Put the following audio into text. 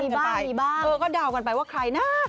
มีบ้างเออก็เดากันไปว่าใครนะ